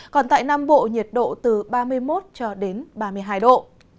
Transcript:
còn tại nam bộ nhiệt độ từ ba mươi một ba mươi hai độ